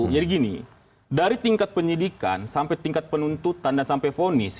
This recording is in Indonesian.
jadi gini dari tingkat penyidikan sampai tingkat penuntutan dan sampai fonis